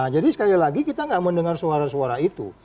jadi sekali lagi kita gak mendengar suara suara itu